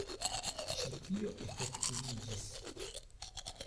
Ĉi tio efektiviĝis.